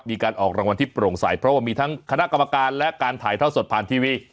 มีการออกรางวัลที่โปร่งใสเพราะว่ามีทั้งคณะกรรมการและการถ่ายเท่าสดผ่านทีวี